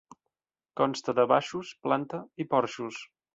Consta de baixos, planta i porxos.